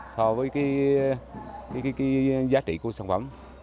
so với cái giá trị của sản phẩm